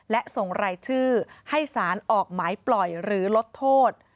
และส่งรายชื่อให้สารออกหมายปล่อยหรือลดโทษ